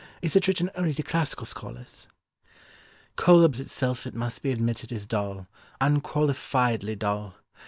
Is it written only to classical scholars?" Cœlebs itself it must be admitted is dull, unqualifiedly dull.